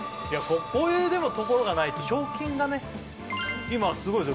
こういうでもところがないと賞金がね今すごいですよ